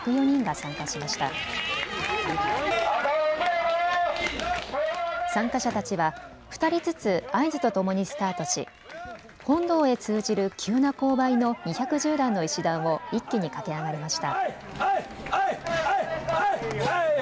参加者たちは２人ずつ合図とともにスタートし本堂へ通じる急な勾配の２１０段の石段を一気に駆け上がりました。